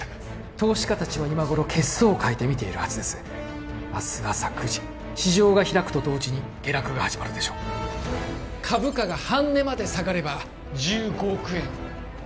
投資家達は今頃血相を変えて見ているはずです明日朝９時市場が開くと同時に下落が始まるでしょう株価が半値まで下がれば１５億円１０７０万ドルの利益となります